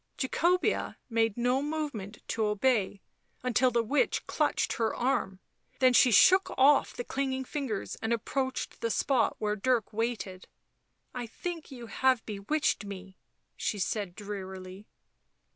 Jacobea made no movement to obey until the witch clutched her arm, when she shook off the clinging fingers and approached the spot where Dirk waited. " I think you have bewitched me," she said drearily.